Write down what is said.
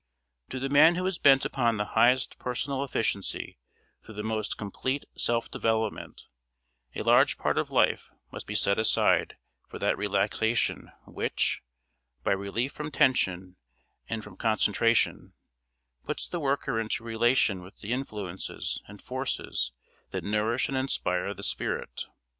To the man who is bent upon the highest personal efficiency through the most complete self development a large part of life must be set aside for that relaxation which, by relief from tension and from concentration, puts the worker into relation with the influences and forces that nourish and inspire the spirit.